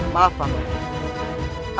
maaf pak man